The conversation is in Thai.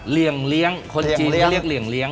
เหลี่ยงเลี้ยงคนจีนก็เรียกเหลี่ยงเลี้ย